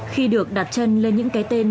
khi được đặt chân lên những cái tên